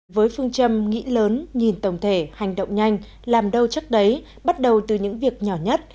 với phương châm nghĩ lớn nhìn tổng thể hành động nhanh làm đâu chắc đấy bắt đầu từ những việc nhỏ nhất